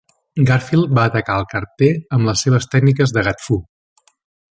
Garfield va atacar al carter amb les seves tècniques de "Gat Fu".